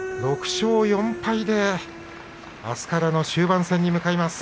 ６勝４敗で、あすからの終盤戦に向かいます。